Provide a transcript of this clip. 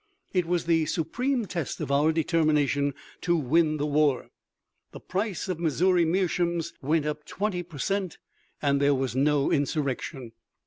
It was the supreme test of our determination to win the war: the price of Missouri meerschaums went up 20 per cent and there was no insurrection.